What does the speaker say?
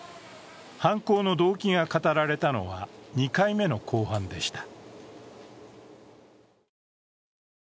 犯行の動機が語られたのは２回目の公判でした。